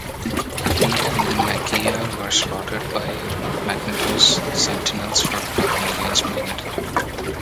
He and the Maggia were slaughtered by Magneto's Sentinels for plotting against Magneto.